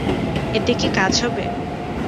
এতে কি কাজ হবে?